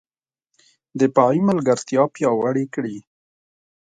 دفاعي ملګرتیا پیاوړې کړي